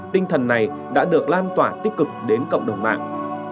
tinh thần này đã được lan tỏa tích cực đến cộng đồng mạng